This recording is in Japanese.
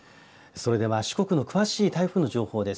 それでは四国の詳しい台風の情報です。